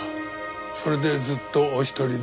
それでずっとお一人で。